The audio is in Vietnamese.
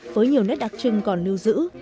với nhiều nét đặc trưng còn lưu giữ